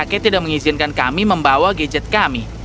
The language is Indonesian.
kakek tidak mengizinkan kami membawa gadget kami